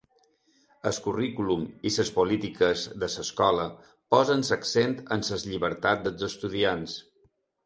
El currículum i les polítiques de l'escola posen l'accent en les llibertats dels estudiants.